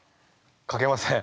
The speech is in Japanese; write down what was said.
かけません。